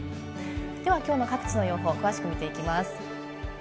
では、きょうの各地の予報を詳しく見ていきます。